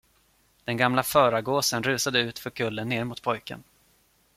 Den gamla förargåsen rusade utför kullen ner mot pojken.